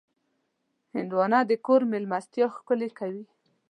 هندوانه د کور مېلمستیا ښکلې کوي.